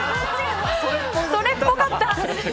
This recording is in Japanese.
それっぽかった。